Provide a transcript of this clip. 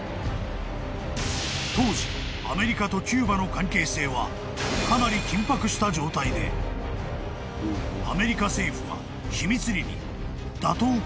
［当時アメリカとキューバの関係性はかなり緊迫した状態でアメリカ政府は秘密裏に打倒